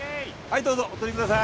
どうぞお通りください